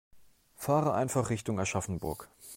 Fahre einfach Richtung Aschaffenburg